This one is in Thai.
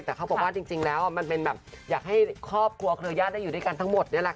แต่เขาบอกว่าจริงแล้วมันเป็นแบบอยากให้ครอบครัวเครือญาติได้อยู่ด้วยกันทั้งหมดนี่แหละค่ะ